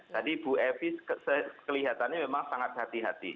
tadi bu evi kelihatannya memang sangat hati hati